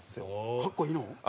かっこいいの？